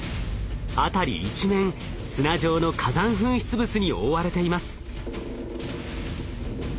辺り一面砂状の火山噴出物に覆われています。